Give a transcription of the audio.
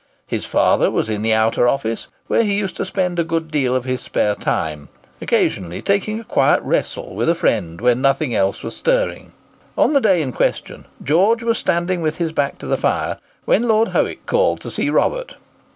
His father was in the outer office, where he used to spend a good deal of his spare time; occasionally taking a quiet wrestle with a friend when nothing else was stirring. On the day in question, George was standing with his back to the fire, when Lord Howick called to see Robert.